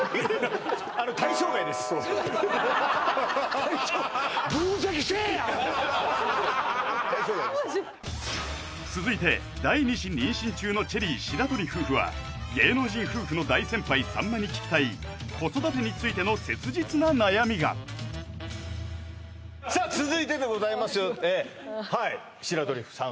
対象対象外です続いて第二子妊娠中のチェリー白鳥夫婦は芸能人夫婦の大先輩さんまに聞きたい子育てについての切実な悩みがさあ続いてでございます白鳥さん